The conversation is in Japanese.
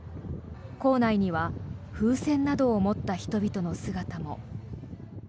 構内には風船などを持った人々の姿も。